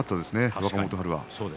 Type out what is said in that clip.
若元春は。